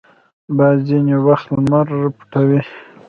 باد ځینې وخت لمر پټوي